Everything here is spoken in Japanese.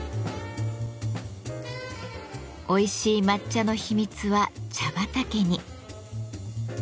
おいしい抹茶の秘密は茶畑に。